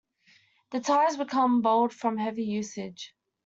The tires became bald from heavy usage.